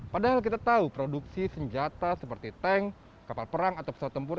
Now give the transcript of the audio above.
padahal kita tahu produksi senjata seperti tank kapal perang atau pesawat tempur